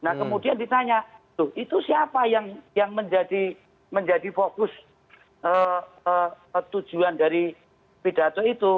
nah kemudian ditanya tuh itu siapa yang menjadi fokus tujuan dari pidato itu